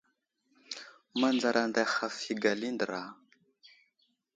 Manzar anday haf i gala i andra.